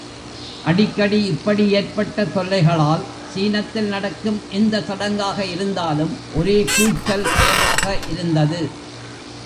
அடிக்கடி இப்படி ஏற்பட்ட தொல்லைகளால் சீனத்தில் நடக்கும் எந்த சடங்காக இருந்தாலும் ஒரே கூச்சல் பயமாக இருந்தது.